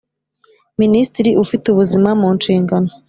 Minisitiri ufite ubuzima mu nshingano